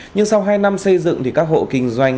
nhưng sau hai năm xây dựng thì các hộ kinh doanh